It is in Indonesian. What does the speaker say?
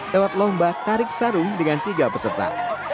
lewat lomba tarik sarung dengan tiga peserta